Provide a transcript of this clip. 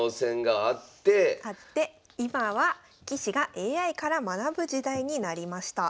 あって今は棋士がＡＩから学ぶ時代になりました。